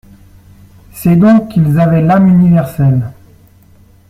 C'est donc qu'ils avaient l'âme universelle.